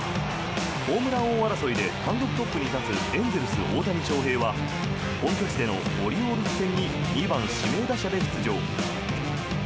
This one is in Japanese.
ホームラン王争いで単独トップに立つエンゼルス、大谷翔平は本拠地でのオリオールズ戦に２番指名打者で出場。